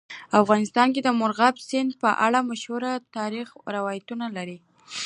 افغانستان د مورغاب سیند په اړه مشهور تاریخی روایتونه لري.